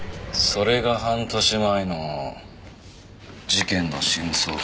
それが半年前の事件の真相か。